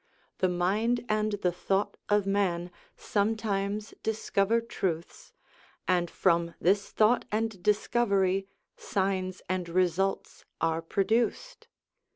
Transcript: The mind and the thought of man sometimes dis cover truths, and from this thought and discovery signs and results are produced.